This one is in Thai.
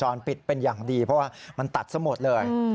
ปิดเป็นอย่างดีเพราะว่ามันตัดซะหมดเลย